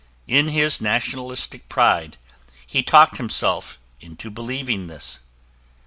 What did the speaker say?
In his nationalistic pride, he talked himself into believing this.